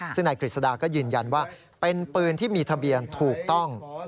ซึ่งนายกฤษฎาก็ยืนยันว่าเป็นปืนที่มีทะเบียนถูกต้อง